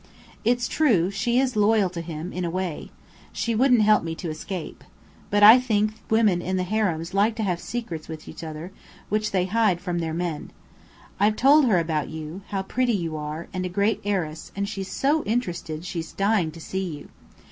It's true, she is loyal to him, in a way. She wouldn't help me to escape. But I think women in the harems like to have secrets with each other, which they hide from their men. I've told her about you, how pretty you are, and a great heiress and she's so interested, she's dying to see you.